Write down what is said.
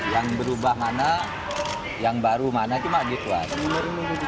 yang berubah mana yang baru mana cuma gitu aja